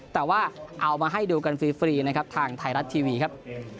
แต่ว่าเอามาให้ดูกันฟรีนะครับทางไทยรัฐทีวีครับ